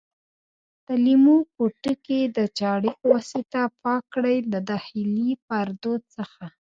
د لیمو پوټکي د چاړې په واسطه پاک کړئ د داخلي پردو څخه.